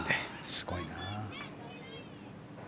すごいな。